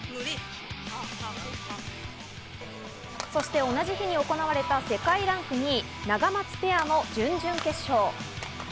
そして同じ日に行われた世界ランク２位・ナガマツペアの準々決勝。